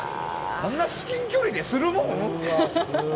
あんな至近距離でするもん？